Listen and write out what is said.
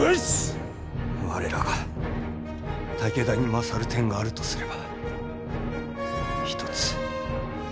我らが武田に勝る点があるとすれば一つ。